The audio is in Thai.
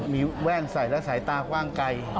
มีแว่นใส่และสายตากว้างไกล